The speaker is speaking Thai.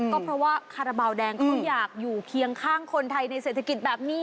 ก็เพราะว่าคาราบาลแดงเขาอยากอยู่เคียงข้างคนไทยในเศรษฐกิจแบบนี้